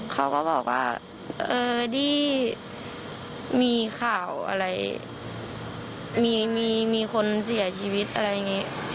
เขาก็บอกว่าเออที่มีข่าวอะไรมีคนเสียชีวิตอะไรอย่างนี้